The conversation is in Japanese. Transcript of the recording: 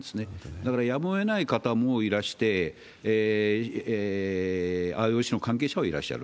だからやむをえない方もいらして、ＩＯＣの関係者はいらっしゃる。